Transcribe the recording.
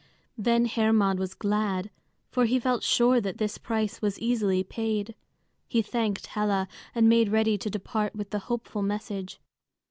Then Hermod was glad, for he felt sure that this price was easily paid. He thanked Hela, and made ready to depart with the hopeful message.